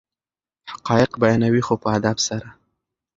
حقایق بیانوي خو په ادب سره.